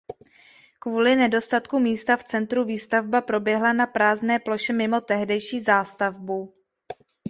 Kvůli nedostatku místa v centru výstavba proběhla na prázdné ploše mimo tehdejší zástavbu.